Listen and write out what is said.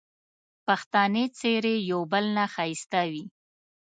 پښتني څېرې یو بل نه ښایسته وې